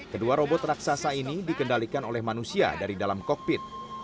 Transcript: kedua robot raksasa ini dikendalikan oleh manusia dari dalam kokpit